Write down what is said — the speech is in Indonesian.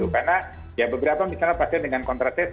karena ya beberapa misalnya pasien dengan kontra test